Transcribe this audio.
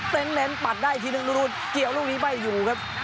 เน้นปัดได้อีกทีหนึ่งรูดเกี่ยวลูกนี้ไม่อยู่ครับ